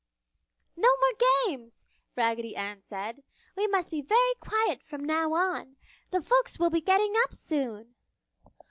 "No more games!" Raggedy Ann said. "We must be very quiet from now on. The folks will be getting up soon!"